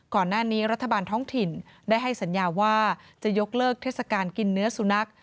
ก่อนหน้านี้รัฐบาลท้องถิ่นได้ให้สัญญาว่าจะยกเลิกเทศกาลกินเนื้อสุนัข